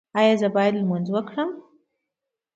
ایا زه باید لمونځ وکړم؟